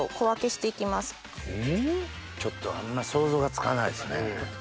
ちょっとあんま想像がつかないですね。